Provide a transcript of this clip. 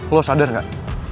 lo sadar gak